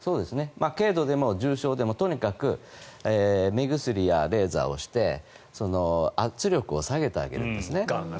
軽度でも重症でもとにかく目薬やレーザーをして圧力を下げてあげるんですね。